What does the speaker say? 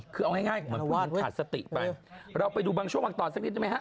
คือเอาง่ายขาดสติไปเราไปดูบางช่วงหวังตอนสักนิดหนึ่งไหมฮะ